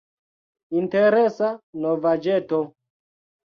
Interesa novaĵeto.